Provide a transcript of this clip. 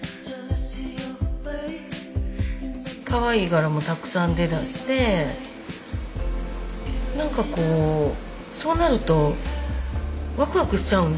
かわいい柄もたくさん出だして何かこうそうなるとワクワクしちゃうんで。